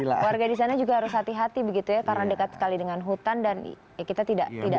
warga di sana juga harus hati hati begitu ya karena dekat sekali dengan hutan dan ya kita tidak